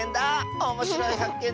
おもしろいはっけん